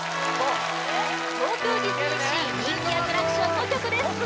東京ディズニーシー人気アトラクションの曲です